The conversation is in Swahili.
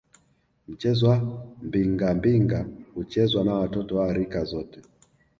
Mchezo wa Mbingambinga huchezwa na watoto wa rika zote